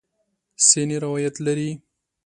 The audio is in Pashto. سنې روایت لري.